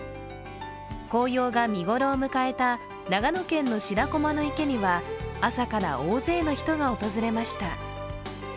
紅葉が見頃を迎えた長野県の白駒の池には朝から大勢の人が訪れました。